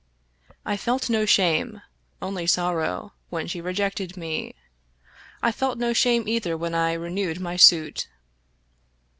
I felt no shame, only sorrow, when she rejected me ; I felt no shame either when I renewed my suit.